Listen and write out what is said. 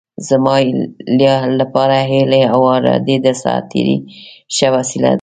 زما لپاره هیلې او ارادې د ساعت تېرۍ ښه وسیله ده.